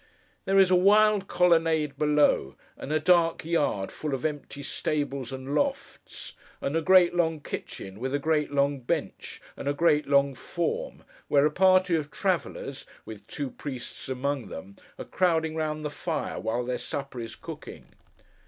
There is a wild colonnade below, and a dark yard full of empty stables and lofts, and a great long kitchen with a great long bench and a great long form, where a party of travellers, with two priests among them, are crowding round the fire while their supper is cooking.